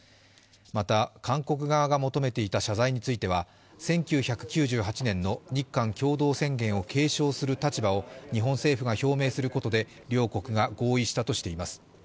また、韓国側が求めていた謝罪については、１９９８年の日韓共同宣言を継承する立場を日本政府が表明することで両国が合意したとしています。